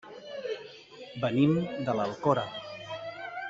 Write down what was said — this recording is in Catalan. Venim de l'Alcora.